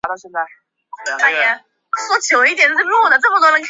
初回版附有贴纸。